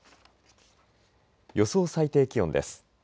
予想最低気温です。